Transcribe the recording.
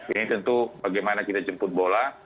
ini tentu bagaimana kita jemput bola